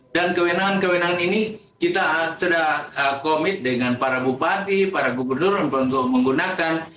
dan kewenangan kewenangan ini kita sudah komit dengan para bupati para gubernur untuk menggunakan